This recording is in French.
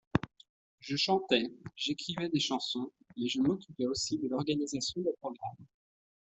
Je chantais, j’écrivais des chansons, mais je m’occupais aussi de l’organisation des programmes.